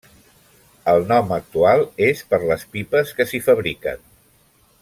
El nom actual és per les pipes que s'hi fabriquen.